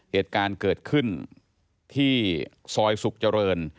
เหตุการณ์เกิดขึ้นที่ซอยสุขเจริญ